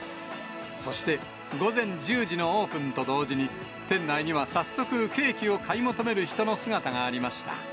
そして、午前１０時のオープンと同時に、店内には早速、ケーキを買い求める人の姿がありました。